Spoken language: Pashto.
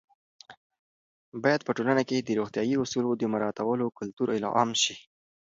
باید په ټولنه کې د روغتیايي اصولو د مراعاتولو کلتور عام شي.